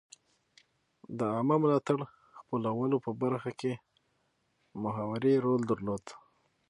د عامه ملاتړ خپلولو په برخه کې محوري رول درلود.